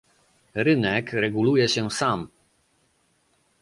Rynek reguluje się sam